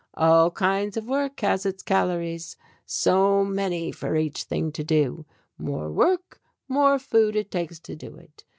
All kind of work has its calories, so many for each thing to do. "More work, more food it takes to do it.